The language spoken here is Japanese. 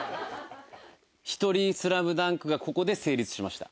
ひとりスラムダンクがここで成立しました。